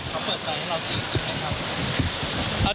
เขาเปิดใจให้เราจีบใช่ไหมครับ